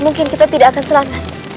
mungkin kita tidak akan serangan